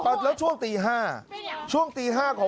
การนอนไม่จำเป็นต้องมีอะไรกัน